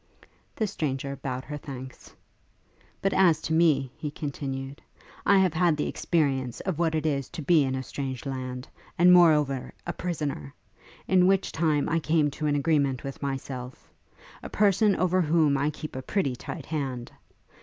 The stranger bowed her thanks. 'But as to me,' he continued, 'I have had the experience of what it is to be in a strange land; and, moreover, a prisoner: in which time I came to an agreement with myself a person over whom I keep a pretty tight hand!